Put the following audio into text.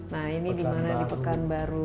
nah ini dimana di pekanbaru